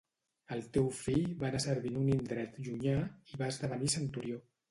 El teu fill va anar a servir en un indret llunyà i va esdevenir centurió.